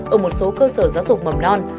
ở một số cơ sở giáo dục mầm non